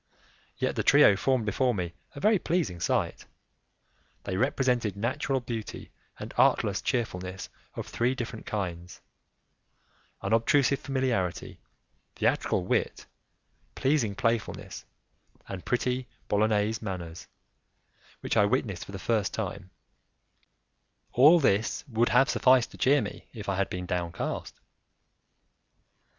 Yet the trio formed before me a very pleasing sight; they represented natural beauty and artless cheerfulness of three different kinds; unobtrusive familiarity, theatrical wit, pleasing playfulness, and pretty Bolognese manners which I witnessed for the first time; all this would have sufficed to cheer me if I had been downcast.